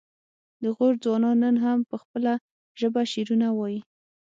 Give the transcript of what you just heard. د غور ځوانان نن هم په خپله ژبه شعرونه وايي